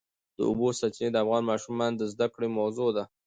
د اوبو سرچینې د افغان ماشومانو د زده کړې موضوع ده.